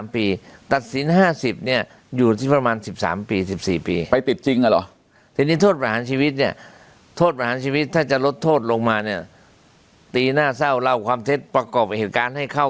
มันคงไม่ออกง่ายง่ายใช่ไหมครับเท่าที่ผมศึกษานะครับโทษจำคุกเนี้ย